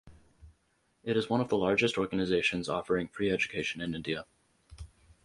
It is one of the largest organisations offering free education in India.